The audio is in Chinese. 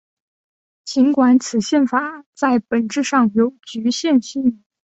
尽管此宪法在本质上具有局限性。